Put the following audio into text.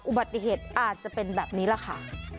อุบัติเหตุอาจจะเป็นแบบนี้แหละค่ะ